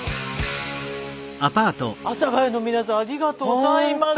阿佐ヶ谷の皆さんありがとうございます。